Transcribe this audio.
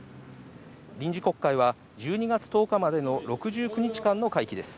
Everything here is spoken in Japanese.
臨時国会は１２月１０日までの６９日間の会期です。